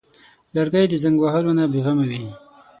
لرګی د زنګ وهلو نه بېغمه وي.